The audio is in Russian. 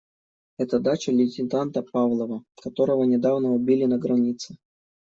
Это дача лейтенанта Павлова, которого недавно убили на границе.